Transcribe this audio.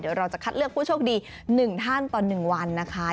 เดี๋ยวเราจะคัดเลือกผู้โชคดี๑ท่านต่อ๑วันนะคะ